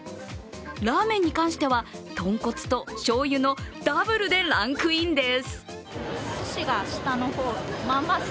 ラーメンに関しては、豚骨としょうゆのダブルでランクインです。